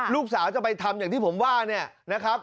จะไปทำอย่างที่ผมว่าเนี่ยนะครับ